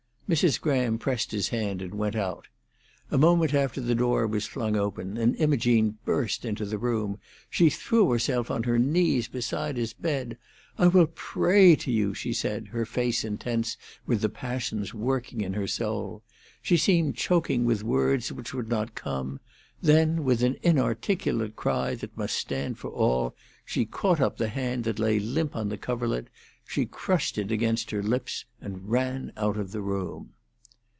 Mrs. Graham pressed his hand and went out. A moment after the door was flung open, and Imogene burst into the room. She threw herself on her knees beside his bed. "I will pray to you!" she said, her face intense with the passions working in her soul. She seemed choking with words which would not come; then, with an inarticulate cry that must stand for all, she caught up the hand that lay limp on the coverlet; she crushed it against her lips, and ran out of the room.